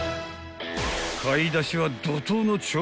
［買い出しは］